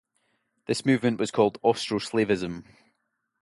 This movement was called Austroslavism.